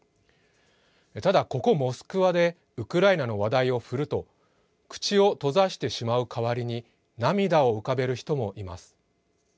ただ、ここモスクワでウクライナの話題を振ると口を閉ざしてしまう代わりに涙を浮かべる人もいます。